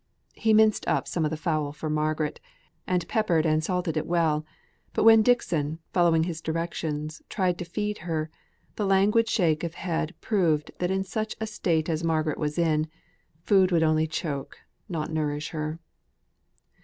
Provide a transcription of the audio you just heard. He minced up some of the fowl for Margaret, and peppered and salted it well; but when Dixon, following his directions, tried to feed her, the languid shake of head, proved that in such a state as Margaret was in, food would only choke, not nourish her.